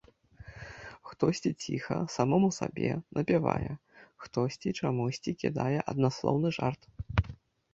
Хтосьці ціха, самому сабе, напявае, хтосьці чамусьці кідае аднаслоўны жарт.